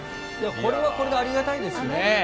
これはこれでありがたいですね。